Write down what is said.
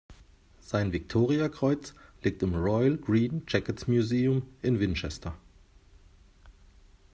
Sein Victoriakreuz liegt im "Royal Green Jackets Museum" in Winchester.